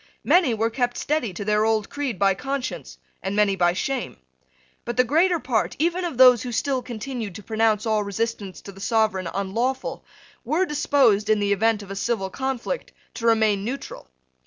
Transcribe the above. Many were kept steady to their old creed by conscience, and many by shame. But the greater part, even of those who still continued to pronounce all resistance to the sovereign unlawful, were disposed, in the event of a civil conflict, to remain neutral.